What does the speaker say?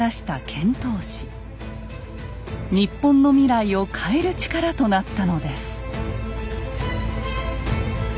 日本の未来を変える力となったのです。